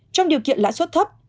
trong điều kiện lãi suất thấp